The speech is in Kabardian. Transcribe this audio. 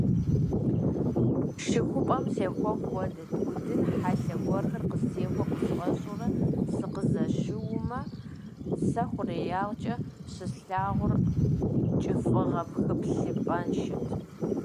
ЩыхупӀэм сехуэх хуэдэт: удын хьэлъэ гуэрхэр къыстехуэ къысфӀэщӀурэ сыкъызэщыумэ, си хъуреягъкӀэ щыслъагъур кӀыфӀыгъэ пхыплъыпӀэншэт.